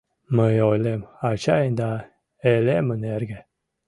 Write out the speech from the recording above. Мый ойлем, ачайын да элемын эрге: